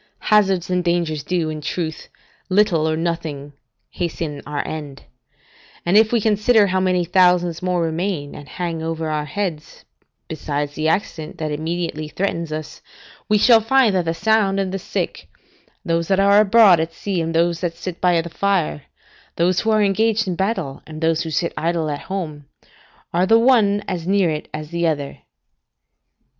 Hazards and dangers do, in truth, little or nothing hasten our end; and if we consider how many thousands more remain and hang over our heads, besides the accident that immediately threatens us, we shall find that the sound and the sick, those that are abroad at sea, and those that sit by the fire, those who are engaged in battle, and those who sit idle at home, are the one as near it as the other.